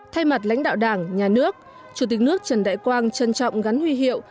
thay mặt lãnh đạo đảng nhà nước chủ tịch nước trần đại quang trân trọng gắn huy hiệu